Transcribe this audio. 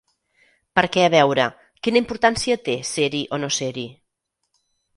Perquè a veure, quina importància té ser-hi o no ser-hi?